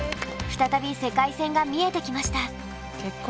再び世界戦が見えてきました。